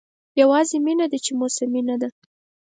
یوازې مینه ده چې موسمي نه ده.